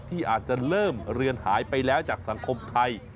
ที่อาจจะเริ่มเรือนหายไปแล้วจากสังคมไทย